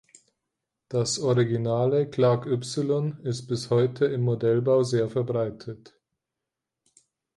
Das originale Clark-Y ist bis heute im Modellbau sehr verbreitet.